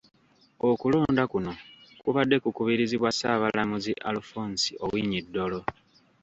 Okulonda kuno kubadde ku kubirizibwa Ssaabalamuzi Alfonse Owiny-Dollo.